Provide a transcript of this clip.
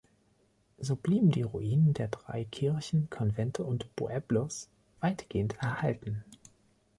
So blieben die Ruinen der drei Kirchen, Konvente und Pueblos weitgehend erhalten.